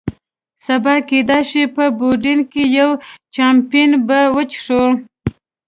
سبا کېدای شي په یوډین کې یو، چامپېن به وڅښو.